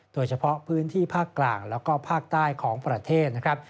โดยเฉพาะพื้นที่ภาคกลางแล้วก็ภาคใต้ของประเทศนะครับ